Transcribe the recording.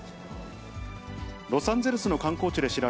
ロサンゼルスの観光地で知ら